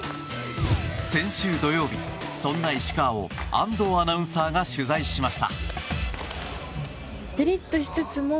先週土曜日、そんな石川を安藤アナウンサーが取材しました。